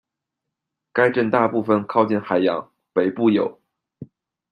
该镇大部分靠近海洋，北部有。